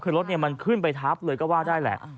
คือรถมันขึ้นไปทับเลยก็ว่าได้แหละ